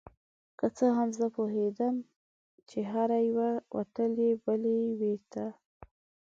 که څه هم زه پوهیدم چې هره یوه وتلې بلې یوې ته